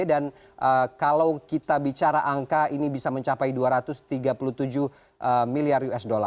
dan kalau kita bicara angka ini bisa mencapai dua ratus tiga puluh tujuh miliar usd